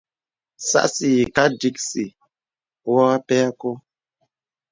Sās yìkā dìksì wɔ̄ a pɛ kɔ̄.